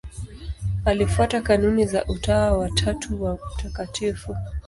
Alifuata kanuni za Utawa wa Tatu wa Mt.